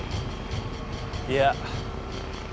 いや。